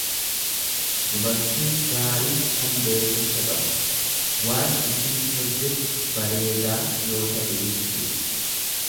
Dubartiin gaariin kan beekumsa qabdu, waan isiin hojjettu bareedaa yoo ta'e jechuudha.